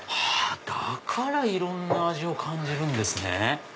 だからいろんな味を感じるんですね。